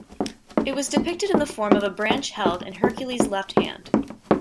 It was depicted in the form of a branch held in Hercules' left hand.